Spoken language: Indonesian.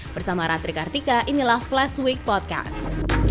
bersama ratri kartika inilah flash week podcast